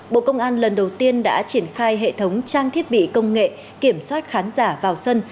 bộ công an lần đầu tiên đã triển khai hệ thống trang thiết bị công nghệ kiểm soát khán giả vào sân